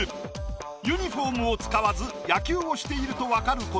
「ユニフォーム」を使わず野球をしていると分かる言葉。